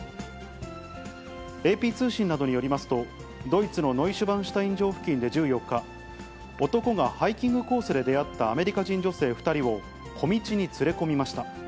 ＡＰ通信などによりますと、ドイツのノイシュバンシュタイン城付近で１４日、男がハイキングコースで出会ったアメリカ人女性２人を小道に連れ込みました。